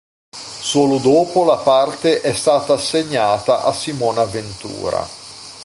Solo dopo la parte è stata assegnata a Simona Ventura.